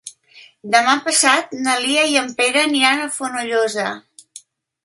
Demà passat na Lia i en Pere aniran a Fonollosa.